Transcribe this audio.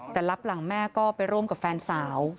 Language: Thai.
แต่รับหลังแม่ก็ไปร่วมกับแฟนสาว